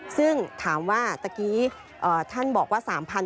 ซึ่งถามว่าตะกี้ท่านบอกว่า